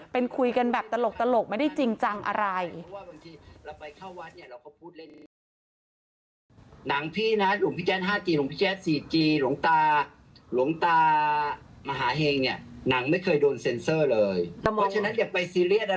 เป็นคุยกันแบบตลกไม่ได้จริงจังอะไร